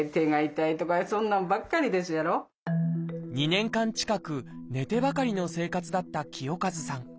２年間近く寝てばかりの生活だった清和さん。